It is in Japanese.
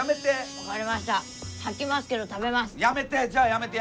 やめて。